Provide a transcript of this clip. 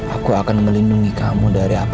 aku akan melindungi kamu dari apa